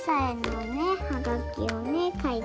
はい。